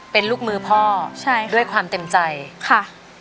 เป็นลูกมือพ่อใช่ด้วยความเต็มใจค่ะ